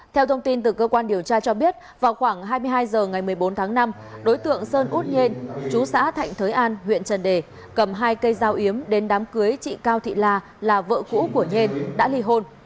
theo thông tin từ cơ quan điều tra cho biết vào khoảng hai mươi hai h ngày một mươi bốn tháng năm đối tượng sơn út nhên chú xã thạnh thới an huyện trần đề cầm hai cây dao yếm đến đám cưới chị cao thị la là vợ cũ của nhền đã li hôn